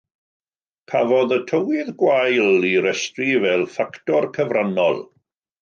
Cafodd y tywydd gwael ei restru fel ffactor cyfrannol.